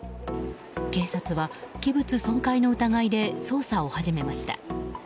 警察は器物損壊の疑いで捜査を始めました。